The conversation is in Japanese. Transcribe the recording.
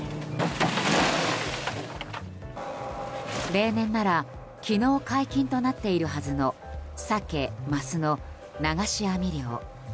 例年なら昨日解禁となっているはずのサケ・マスの流し網漁。